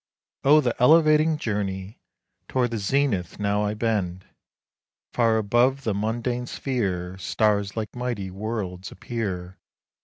Oh! the elevating journey! Toward the zenith now I bend, Far above the mundane sphere, Stars like mighty worlds appear.